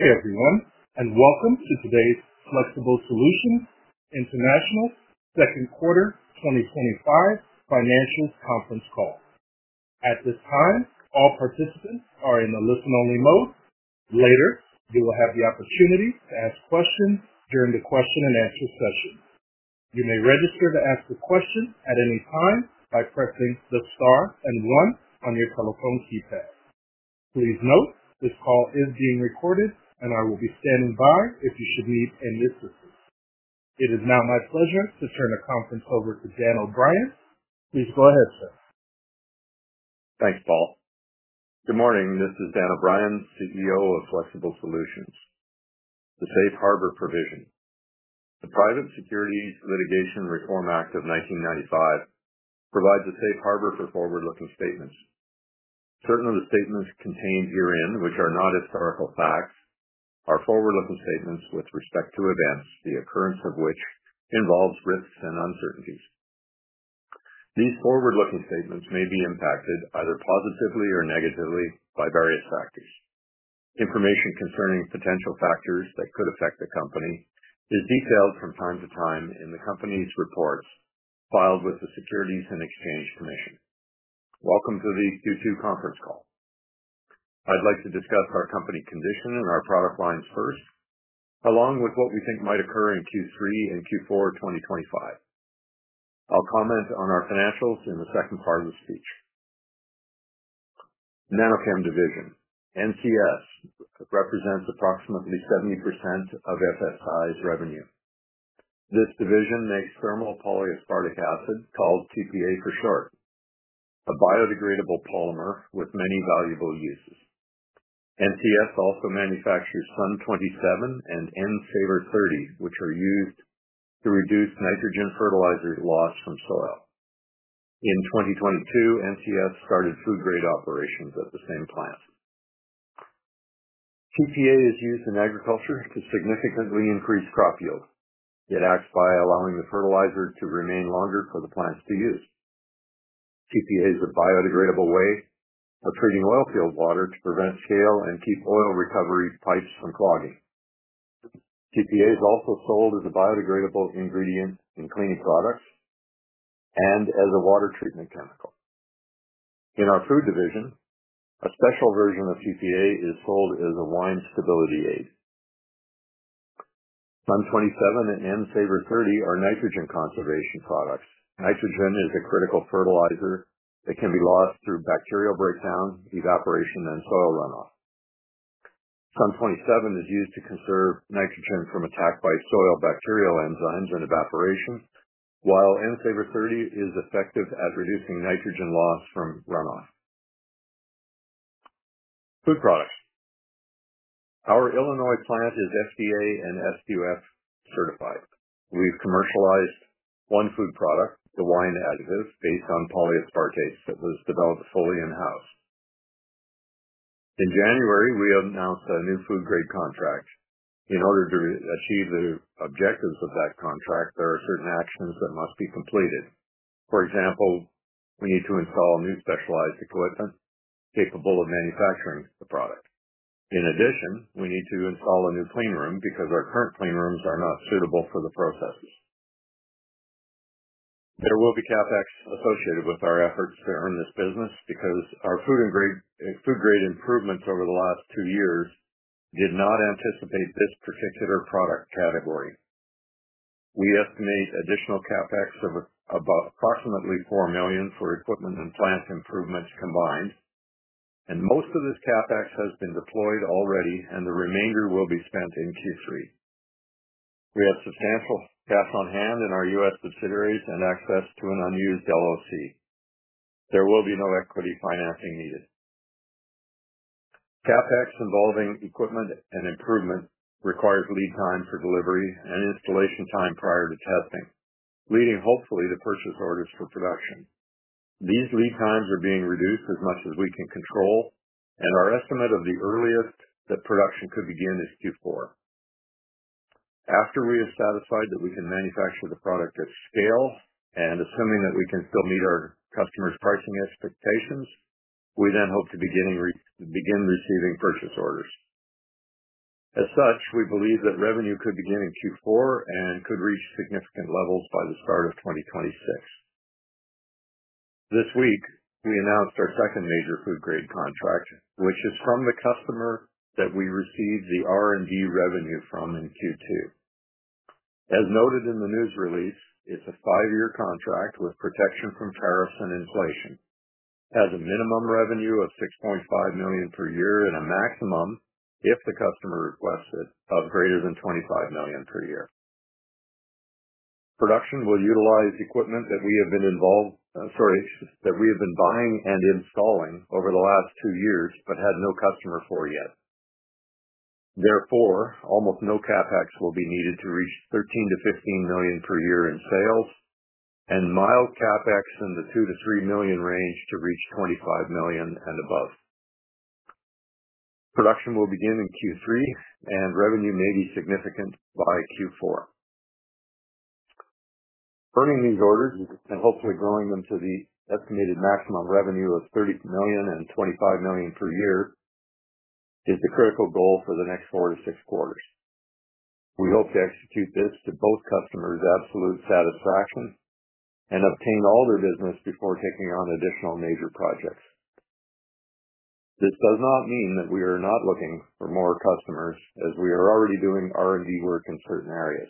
Hey everyone, and welcome to today's Flexible Solutions International Second Quarter 2025 Financials Conference Call. At this time, all participants are in the listen-only mode. Later, you will have the opportunity to ask questions during the question-and-answer session. You may register to ask a question at any time by pressing the star and one on your telephone keypad. Please note, this call is being recorded, and I will be standing by if you should need any assistance. It is now my pleasure to turn the conference over to Dan O'Brien. Please go ahead, sir. Thanks, Paul. Good morning. This is Dan O'Brien, CEO of Flexible Solutions. The Safe Harbor Provision. The Private Securities Litigation Reform Act of 1995 provides a safe harbor for forward-looking statements. Certain of the statements contained herein, which are not historical facts, are forward-looking statements with respect to events, the occurrence of which involves risks and uncertainties. These forward-looking statements may be impacted either positively or negatively by various factors. Information concerning potential factors that could affect the company is detailed from time to time in the company's reports filed with the Securities and Exchange Commission. Welcome to the Q2 Conference Call. I'd like to discuss our company condition and our product lines first, along with what we think might occur in Q3 and Q4 2025. I'll comment on our financials in the second part of the speech. Nanopam Division NCS represents approximately 70% of FSI's revenue. This division makes thermal polyaspartic acid, called TPA for short, a biodegradable polymer with many valuable uses. NCS also manufactures SUN 27 and N Savr 30, which are used to reduce nitrogen fertilizer loss from soil. In 2022, NCS started food-grade operations at the same plant. TPA is used in agriculture to significantly increase crop yield, yet acts by allowing the fertilizer to remain longer for the plants to use. TPA is a biodegradable way of treating oil field water to prevent scale and keep oil recovery pipes from clogging. TPA is also sold as a biodegradable ingredient in cleaning products and as a water treatment chemical. In our food division, a special version of TPA is sold as a wine stability aid. SUN 27 and N Savr 30 are nitrogen conservation products. Nitrogen is a critical fertilizer that can be lost through bacterial breakdown, evaporation, and soil runoff. SUN 27 is used to conserve nitrogen from attack by soil bacterial enzymes and evaporation, while N Savr 30 is effective at reducing nitrogen loss from runoff. Food product. Our Illinois plant is FDA and SQS certified. We've commercialized one food product, the wine additive, based on polyaspartates that was developed fully in-house. In January, we announced a new food-grade contract. In order to achieve the objectives of that contract, there are certain actions that must be completed. For example, we need to install new specialized equipment capable of manufacturing the product. In addition, we need to install a new clean room because our current clean rooms are not suitable for the process. There will be CapEx associated with our efforts to earn this business because our food-grade improvements over the last two years did not anticipate this particular product category. We estimate additional CapEx of approximately $4 million for equipment and plant improvements combined, and most of this CapEx has been deployed already, and the remainder will be spent in Q3. We have substantial cash on hand in our U.S. subsidiaries and access to an unused LLC. There will be no equity financing needed. CapEx involving equipment and improvement requires lead time for delivery and installation time prior to testing, leading hopefully to purchase orders for production. These lead times are being reduced as much as we can control, and our estimate of the earliest that production could begin is Q4. After we have satisfied that we can manufacture the product at scale and assuming that we can still meet our customers' pricing expectations, we then hope to begin receiving purchase orders. As such, we believe that revenue could begin in Q4 and could reach significant levels by the start of 2026. This week, we announced our second major food-grade contract, which is from the customer that we received the R&D revenue from in Q2. As noted in the news release, it's a five-year contract with protection from tariffs and inflation. It has a minimum revenue of $6.5 million per year and a maximum, if the customer requests it, of greater than $25 million per year. Production will utilize equipment that we have been buying and installing over the last two years, but had no customer for yet. Therefore, almost no CapEx will be needed to reach $13 million-$15 million per year in sales and mild CapEx in the $2 million-$3 million range to reach $25 million and above. Production will begin in Q3, and revenue may be significant by Q4. Earning these orders and hopefully growing them to the estimated maximum revenue of $30 million and $25 million per year is the critical goal for the next four to six quarters. We hope to execute this to both customers' absolute satisfaction and obtain all their business before taking on additional major projects. This does not mean that we are not looking for more customers, as we are already doing R&D work in certain areas.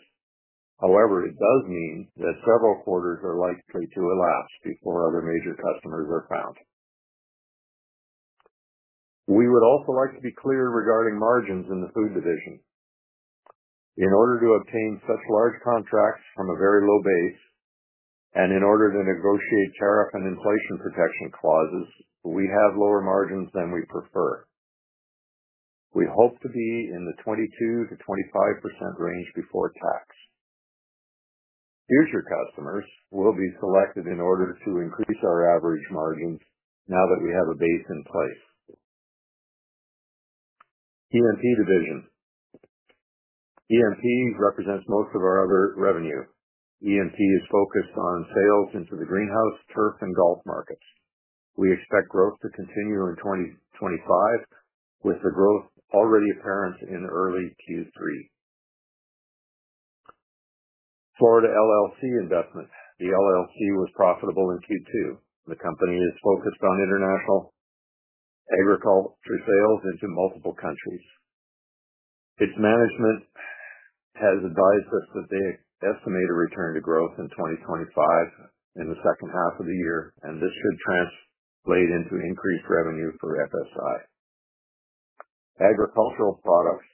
However, it does mean that several quarters are likely to elapse before other major customers are found. We would also like to be clear regarding margins in the food division. In order to obtain such large contracts from a very low base, and in order to negotiate tariff and inflation protection clauses, we have lower margins than we prefer. We hope to be in the 22%-25% range before tax. Future customers will be selected in order to increase our average margins now that we have a base in place. EMP Division. EMP represents most of our other revenue. EMP is focused on sales into the greenhouse, turf, and golf markets. We expect growth to continue in 2025, with the growth already apparent in early Q3. Florida LLC Investment. The LLC was profitable in Q2. The company is focused on international agriculture sales into multiple countries. Its management has advised us that they estimate a return to growth in 2025 in the second half of the year, and this should translate into increased revenue for FSI. Agricultural products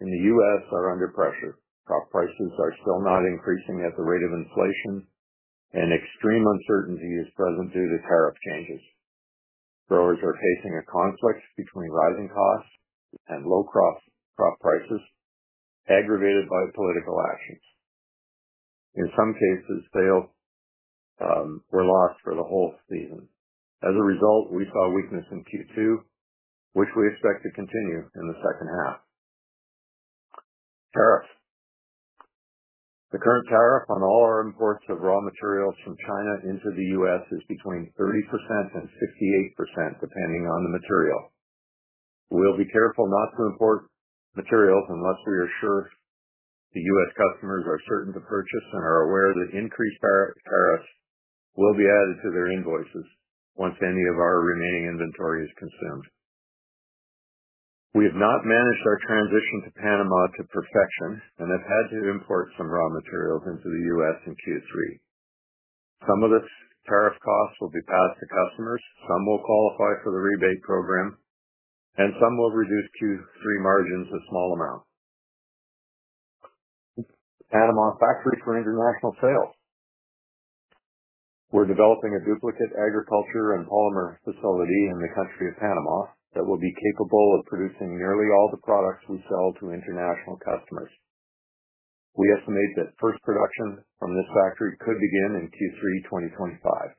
in the U.S. are under pressure. Crop prices are still not increasing at the rate of inflation, and extreme uncertainty is present due to tariff changes. Growers are facing a conflict between rising costs and low crop prices, aggravated by political actions. In some cases, sales were locked for the whole season. As a result, we saw weakness in Q2, which we expect to continue in the second half. Tariffs. The current tariff on all our imports of raw materials from China into the U.S. is between 30% and 58%, depending on the material. We'll be careful not to import materials unless U.S. customers are certain to purchase and are aware that increased tariffs will be added to their invoices once any of our remaining inventory is consumed. We have not managed our transition to Panama to perfection, and have had to import some raw materials into the U.S. in Q3. Some of the tariff costs will be passed to customers, some will qualify for the rebate program, and some will reduce Q3 margins a small amount. Panama factory for international sales. We're developing a duplicate agriculture and polymer facility in the country of Panama that will be capable of producing nearly all the products we sell to international customers. We estimate that first production from this factory could begin in Q3 2025.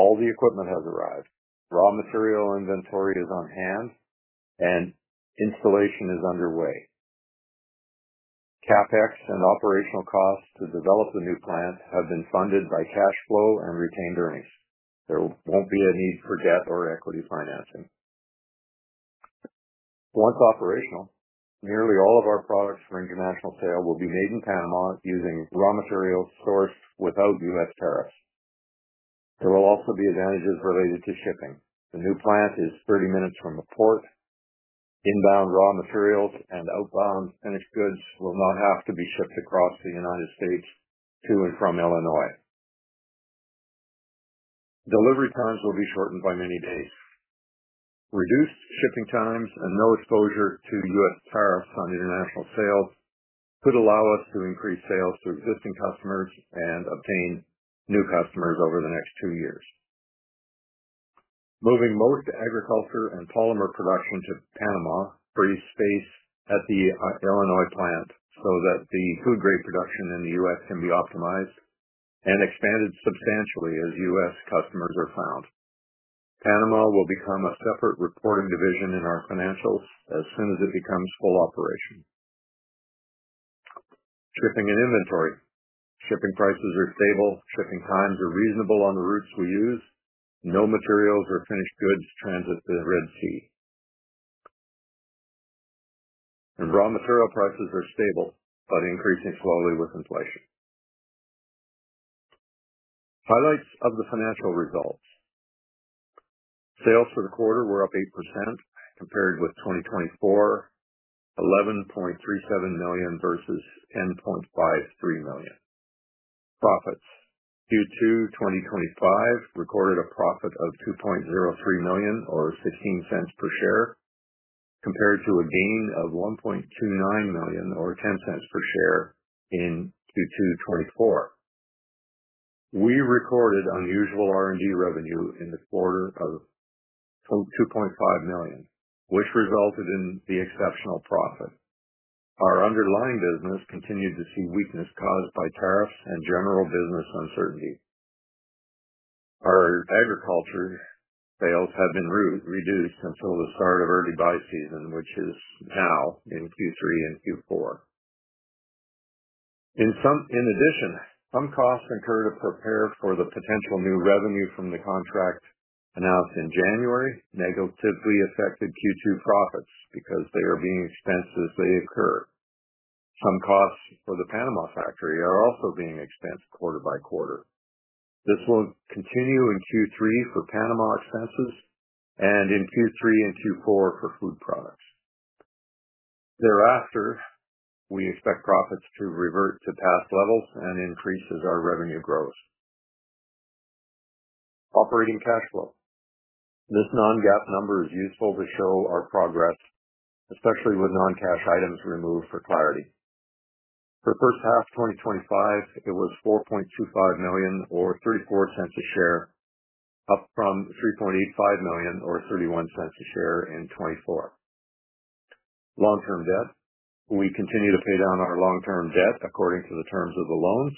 All the equipment has arrived. Raw material inventory is on hand, and installation is underway. CapEx and operational costs to develop the new plant have been funded by cash flow and retained earnings. There won't be a need for debt or equity financing. Once operational, nearly all of our products for international sale will be made in Panama using raw materials sourced without U.S. tariffs. There will also be advantages related to shipping. The new plant is 30 minutes from the port. Inbound raw materials and outbound finished goods will not have to be shipped across the United States to and from Illinois. Delivery times will be shortened by many days. Reduced shipping times and no exposure to U.S. tariffs on international sales could allow us to increase sales to existing customers and obtain new customers over the next two years. Moving most agriculture and polymer production to Panama frees space at the Illinois plant so that the food-grade production in the U.S. can be optimized and expanded substantially as U.S. customers are found. Panama will become a separate reporting division in our financials as soon as it becomes full operation. Shipping and inventory. Shipping prices are stable. Shipping times are reasonable on the routes we use. No materials or finished goods transit the Red Sea. Raw material prices are stable but increasing slowly with inflation. Highlights of the financial results. Sales for the quarter were up 8% compared with 2024, $11.37 million versus $10.53 million. Profits. Q2 2025 recorded a profit of $2.03 million or $0.16 per share compared to a gain of $1.29 million or $0.10 per share in Q2 2024. We recorded unusual R&D revenue in the quarter of $2.5 million, which resulted in the exceptional profit. Our underlying business continued to see weakness caused by tariffs and general business uncertainty. Our agriculture sales have been reduced until the start of early buy season, which is now in Q3 and Q4. In addition, some costs incurred to prepare for the potential new revenue from the contract announced in January negatively affected Q2 profits because they are being expensed as they incur. Some costs for the Panama factory are also being expensed quarter-by-quarter. This will continue in Q3 for Panama expenses and in Q3 and Q4 for food products. Thereafter, we expect profits to revert to past levels and increase our revenue growth. Operating tax flow. This non-GAAP number is useful to show our progress, especially with non-cash items removed for clarity. For the first half of 2025, it was $4.25 million or $0.34 a share, up from $3.85 million or $0.31 a share in 2024. Long-term debt. We continue to pay down our long-term debt according to the terms of the loans.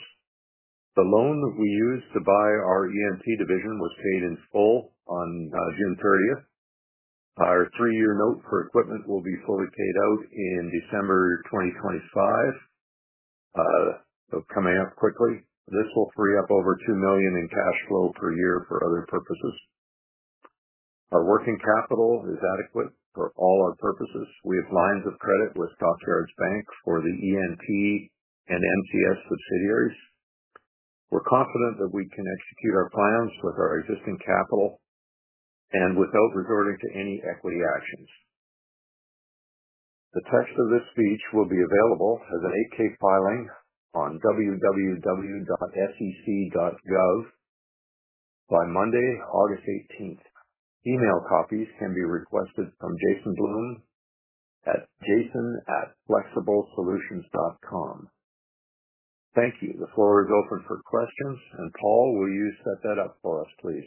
The loan that we used to buy our EMP Division was paid in full on June 30th. Our three-year note for equipment will be fully paid out in December 2025, coming up quickly. This will free up over $2 million in cash flow per year for other purposes. Our working capital is adequate for all our purposes. We have lines of credit with Stock Yards Bank for the EMP and NCS subsidiaries. We're confident that we can execute our plans with our existing capital and without resorting to any equity actions. The text of this speech will be available as an 8K filing on www.sec.gov by Monday, August 18th. Email copies can be requested from Jason Bloom at jason@flexiblesolutions.com. Thank you. The floor is open for questions, and Paul, will you set that up for us, please?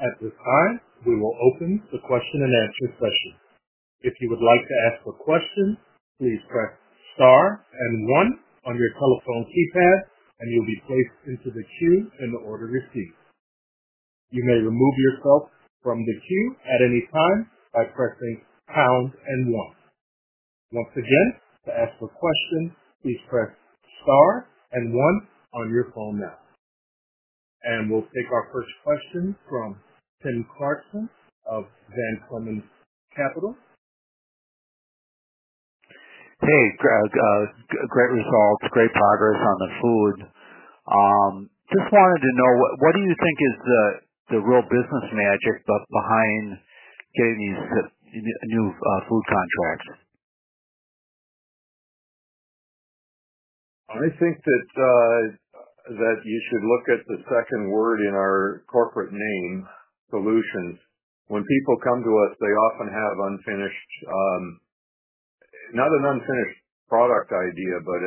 At this time, we will open the question-and-answer session. If you would like to ask a question, please press star and one on your telephone keypad, and you'll be placed into the queue in the order you queue. You may remove yourself from the queue at any time by pressing pound and one. Once again, to ask a question, please press star and one on your phone now. We'll take our first question from Timothy Clarkson of Van Clemens Capital. Hey, Greg. Great results, great progress on the food. Just wanted to know, what do you think is the real business magic behind getting these new food contracts? I think that you should look at the second word in our corporate name, Solutions. When people come to us, they often have not an unfinished product idea, but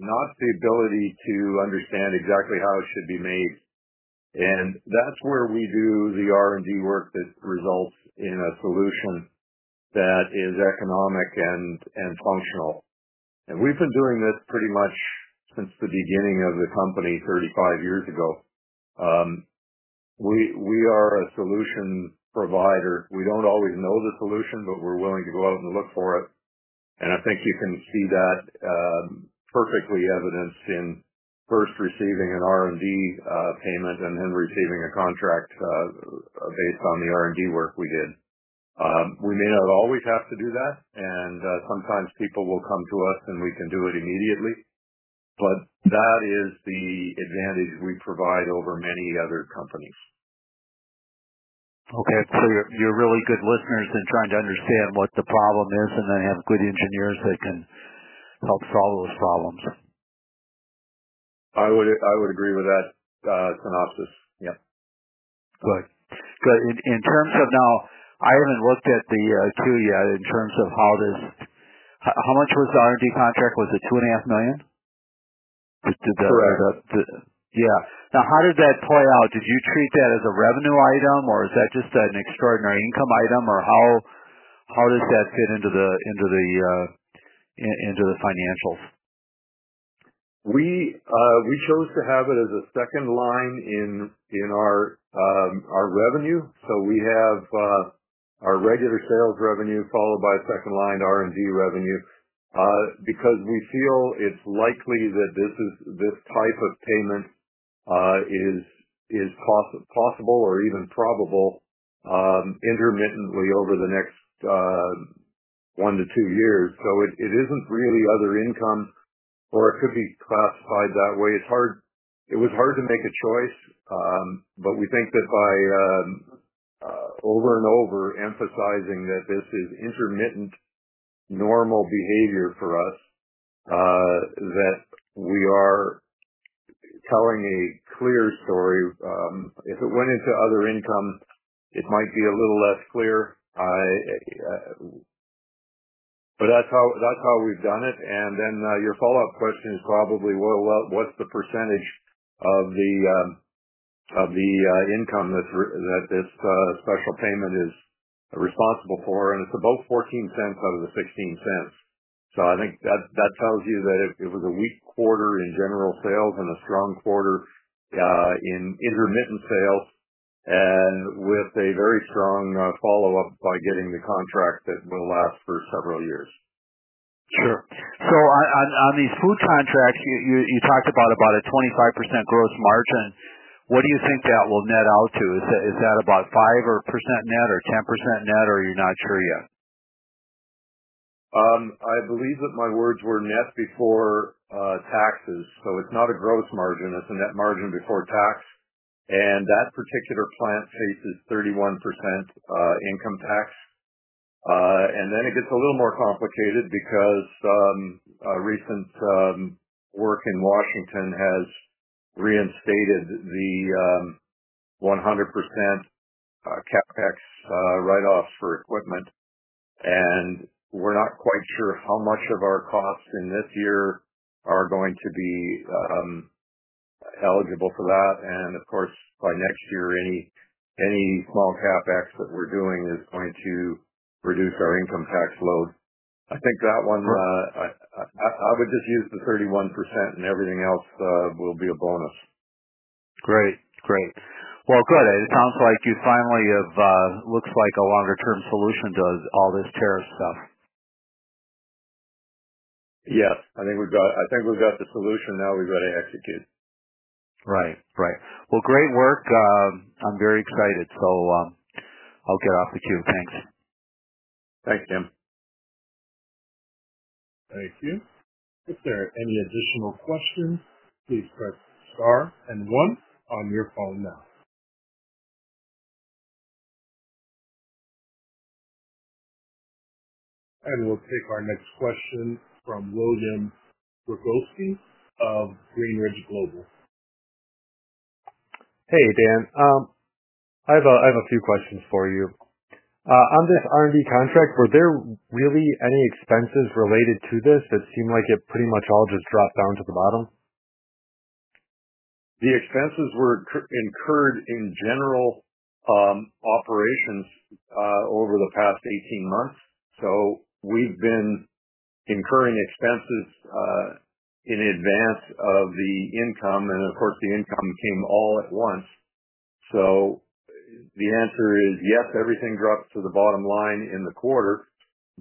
not the ability to understand exactly how it should be made. That's where we do the R&D work that results in a solution that is economic and functional. We've been doing this pretty much since the beginning of the company 35 years ago. We are a solution provider. We don't always know the solution, but we're willing to go out and look for it. I think you can see that perfectly evidenced in first receiving an R&D payment and then receiving a contract based on the R&D work we did. We may not always have to do that, and sometimes people will come to us and we can do it immediately. That is the advantage we provide over many other companies. You're really good listeners and trying to understand what the problem is, and then have good engineers that can help solve those problems. I would agree with that synopsis. Yeah. Good. In terms of now, I haven't looked at the ARPU yet in terms of how this, how much was the R&D contract? Was it $2.5 million? It's about two. Yeah. Now, how did that play out? Did you treat that as a revenue item, or is that just an extraordinary income item, or how does that fit into the financials? We chose to have it as a second line in our revenue. We have our regular sales revenue followed by a second line, R&D revenue, because we feel it's likely that this type of payment is possible or even probable, intermittently over the next one to two years. It isn't really other income, or it could be classified that way. It's hard. It was hard to make a choice, but we think that by over and over emphasizing that this is intermittent, normal behavior for us, we are telling a clear story. If it went into other income, it might be a little less clear. That's how we've done it. Your follow-up question is probably, what's the percentage of the income that this special payment is responsible for? It's about $0.14 out of $0.16. I think that tells you that it was a weak quarter in general sales and a strong quarter in intermittent sales, with a very strong follow-up by getting the contracts that will last for several years. Sure. On these food contracts, you talked about a 25% growth margin. What do you think that will net out to? Is that about 5% net or 10% net, or are you not sure yet? I believe that my words were net before taxes. It's not a gross margin. It's a net margin before tax. That particular plant faces 31% income tax. It gets a little more complicated because recent work in Washington has reinstated the 100% CapEx write-offs for equipment. We're not quite sure how much of our costs in this year are going to be eligible for that. By next year, any small CapEx that we're doing is going to reduce our income tax load. I think that one, I would just use the 31% and everything else will be a bonus. Great. Great. It sounds like you finally have, looks like a longer-term solution to all this tariff stuff. I think we've got the solution now, we've got to execute. Right. Great work. I'm very excited. I'll get off the queue. Thanks. Thanks, Tim. Thank you. If there are any additional questions, please press star and one on your phone now. We'll take our next question from William Gregozeski of Greenridge Global. Hey, Dan. I have a few questions for you. On this R&D contract, were there really any expenses related to this that seemed like it pretty much all just dropped down to the bottom? The expenses were incurred in general operations over the past 18 months. We've been incurring expenses in advance of the income. Of course, the income came all at once. The answer is yes, everything drops to the bottom line in the quarter,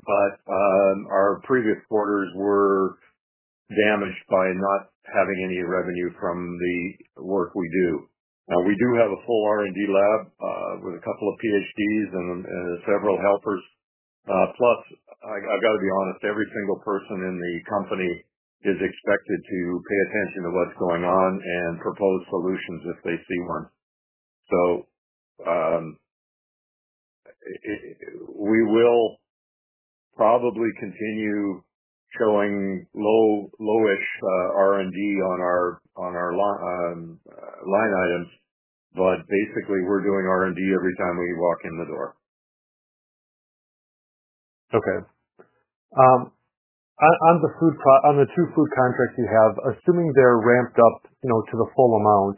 but our previous quarters were damaged by not having any revenue from the work we do. We do have a full R&D lab with a couple of PhDs and several helpers. Plus, I got to be honest, every single person in the company is expected to pay attention to what's going on and propose solutions if they see one. We will probably continue showing lowest R&D on our line items, but basically, we're doing R&D every time we walk in the door. Okay. On the food, on the true food contracts you have, assuming they're ramped up to the full amount,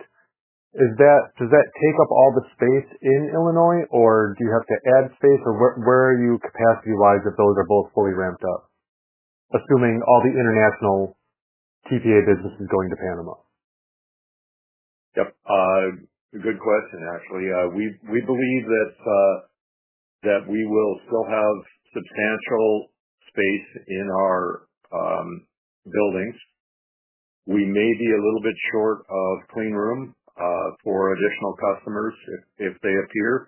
does that take up all the space in Illinois, or do you have to add space, or where are you capacity-wise if those are both fully ramped up, assuming all the international TPA business is going to Panama? Good question, actually. We believe that we will still have substantial space in our buildings. We may be a little bit short of clean room for additional customers if they appear.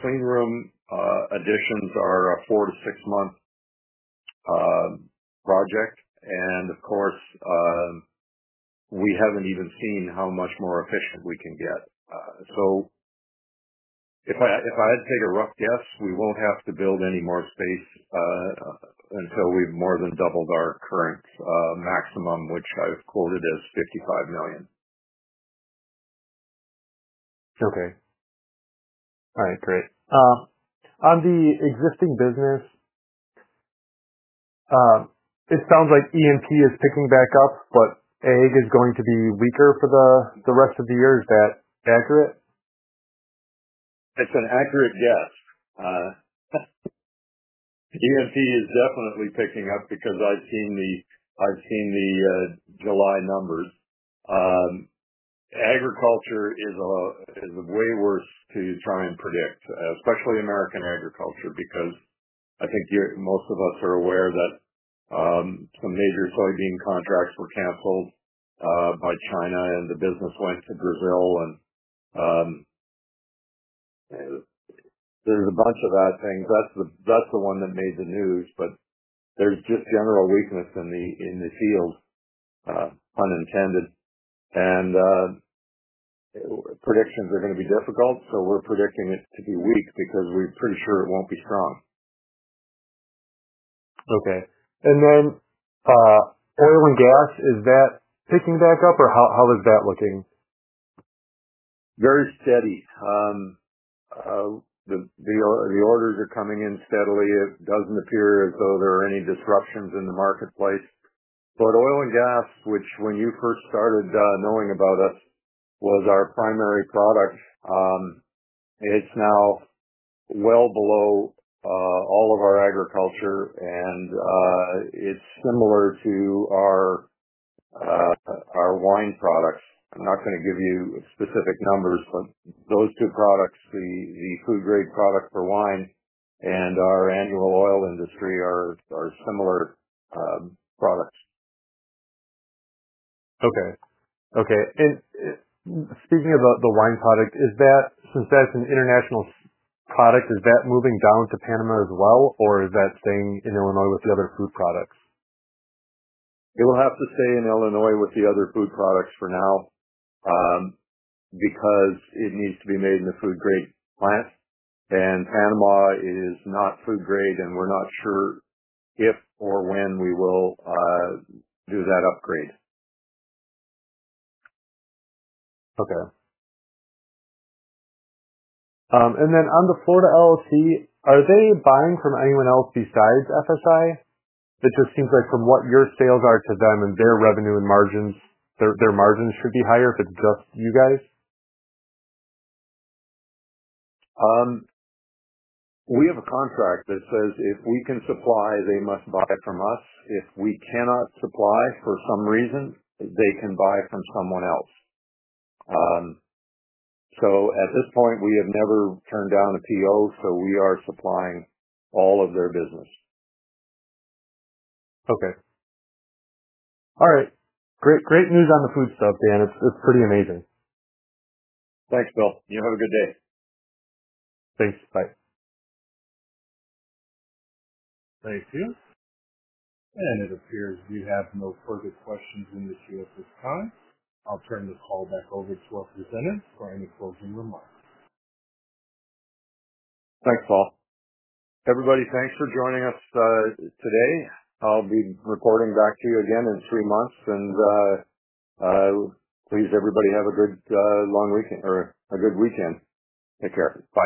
Clean room additions are a four to six-month project. Of course, we haven't even seen how much more efficient we can get. If I had to take a rough guess, we won't have to build any more space until we've more than doubled our current maximum, which I've quoted as $55 million. Okay. All right. Great. On the existing business, it sounds like EMP is picking back up, but AG is going to be weaker for the rest of the year. Is that accurate? It's an accurate guess. EMP is definitely picking up because I've seen the July numbers. Agriculture is way worse to try and predict, especially American agriculture, because I think most of us are aware that some major soybean contracts were canceled by China, and the business went to Brazil. There's a bunch of that thing. That's the one that made the news, but there's just general weakness in the field, pun intended. Predictions are going to be difficult. We're predicting this to be weak because we're pretty sure it won't be strong. Okay, oil and gas, is that picking back up, or how is that looking? Very steady. The orders are coming in steadily. It doesn't appear as though there are any disruptions in the marketplace. Oil and gas, which when you first started knowing about us was our primary product, is now well below all of our agriculture, and it's similar to our wine products. I'm not going to give you specific numbers, but those two products, the food-grade product for wine and our annual oil industry, are similar products. Okay. Okay. Speaking about the wine product, since that's an international product, is that moving down to Panama as well, or is that staying in Illinois with the other food products? It will have to stay in Illinois with the other food products for now because it needs to be made in the food-grade plant. Panama is not food-grade, and we're not sure if or when we will do that upgrade. Okay. On the Florida LLC, are they buying from anyone else besides FSI? It just seems like from what your sales are to them and their revenue and margins, their margins should be higher if it's just you guys. We have a contract that says if we can supply, they must buy from us. If we cannot supply for some reason, they can buy from someone else. At this point, we have never turned down a PO, so we are supplying all of their business. Okay. All right. Great, great news on the food-grade stuff, Dan. It's pretty amazing. Thanks, Will. You have a good day. Thanks. Bye. Thank you. It appears we have no further questions in the Q&A time. I'll turn this call back over to our presenters for any closing remarks. Thanks, Paul. Everybody, thanks for joining us today. I'll be reporting back to you again in three months. Please, everybody have a good long weekend or a good weekend. Take care. Bye.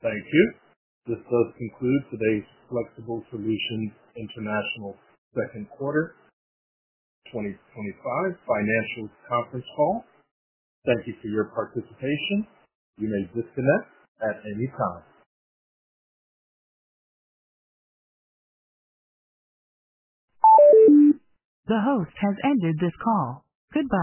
Thank you. This concludes today's Flexible Solutions International second quarter 2025 financials conference call. Thank you for your participation. You may disconnect at any time. The host has ended this call. Goodbye.